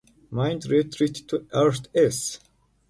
Mind retreated to Earth-S.